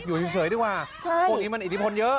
อยู่เอาเองเฉยดีกว่าโทรกี้มันอิทธิพลเยอะ